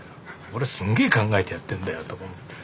「俺すんげえ考えてやってんだよ！」とか思って。